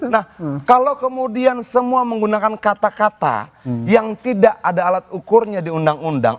nah kalau kemudian semua menggunakan kata kata yang tidak ada alat ukurnya di undang undang